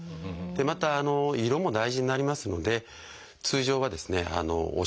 また色も大事になりますので通常はですね